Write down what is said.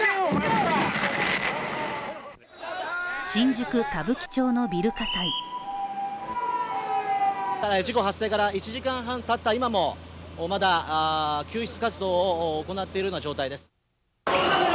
新宿・歌舞伎町のビル火災事故発生から１時間半経った今もまだ救出活動を行っているような状態です